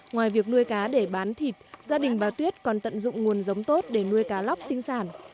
ngoài việc nuôi cá để bán thịt gia đình bà tuyết còn tận dụng nguồn giống tốt để nuôi cá lóc sinh sản